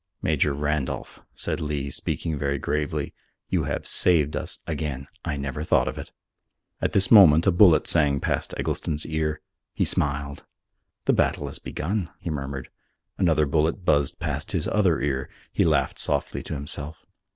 "Major Randolph," said Lee, speaking very gravely, "you have saved us again. I never thought of it." At this moment a bullet sang past Eggleston's ear. He smiled. "The battle has begun," he murmured. Another bullet buzzed past his other ear. He laughed softly to himself.